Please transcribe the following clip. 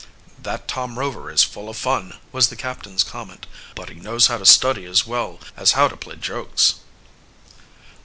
"That Tom Rover is full of fun," was the captain's comment, "but he knows how to study as well as how to play jokes."